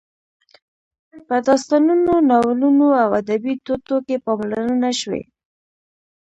په داستانونو، ناولونو او ادبي ټوټو کې پاملرنه شوې.